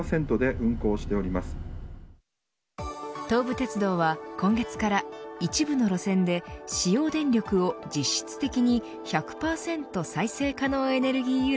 東武鉄道は今月から一部の路線で使用電力を実質的に１００％再生可能エネルギー